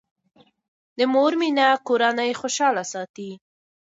د مور مینه کورنۍ خوشاله ساتي.